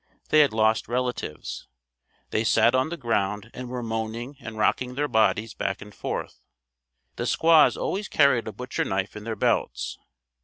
They had lost relatives. They sat on the ground and were moaning and rocking their bodies back and forth. The squaws always carried a butcher knife in their belts.